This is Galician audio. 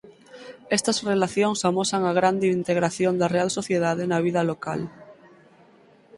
Estas relacións amosan a grande integración da Real Sociedade na vida local.